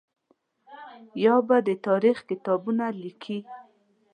یا به د تاریخ کتابونه لیکي.